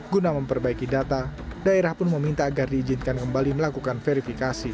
guna memperbaiki data daerah pun meminta agar diizinkan kembali melakukan verifikasi